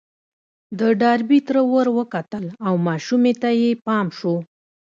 د ډاربي تره ور وکتل او ماشومې ته يې پام شو.